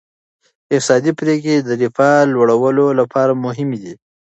اقتصادي پریکړې د رفاه لوړولو لپاره مهمې دي.